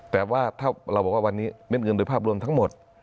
แต่ว่าถ้าเราบอกว่าวันนี้เม็ดเงินโดยภาพรวมทั้งหมด